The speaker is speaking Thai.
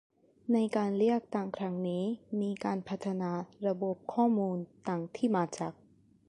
ในการเลือกตั้งครั้งนี้มีการพัฒนาระบบข้อมูลทั้งที่มาจาก